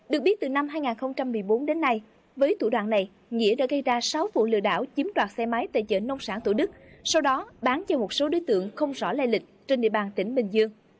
được biết từ năm hai nghìn một mươi bốn đến nay với thủ đoạn này nghĩa đã gây ra sáu vụ lừa đảo chiếm đoạt xe máy tại chợ nông sản thủ đức sau đó bán cho một số đối tượng không rõ lây lịch trên địa bàn tỉnh bình dương